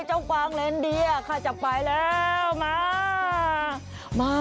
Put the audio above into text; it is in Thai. เจ้าปางเล่นดีอ่ะข้าจะไปแล้วมา